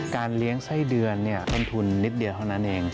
การเลี้ยงไส้เดือนเนี่ยควรทุนนิดเดียวเท่านั้นเอง